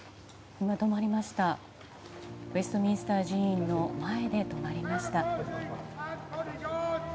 ウェストミンスター寺院の前で止まりました。